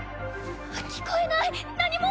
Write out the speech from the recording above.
聞こえない何も！